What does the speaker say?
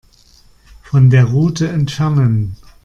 Von der Route entfernen.